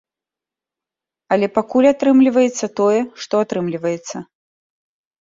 Але пакуль атрымліваецца тое, што атрымліваецца.